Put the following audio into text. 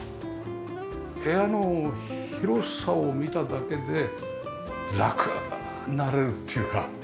部屋の広さを見ただけで楽になれるというか。